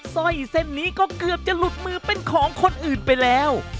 ร้อยเส้นนี้ก็เกือบจะหลุดมือเป็นของคนอื่นไปแล้ว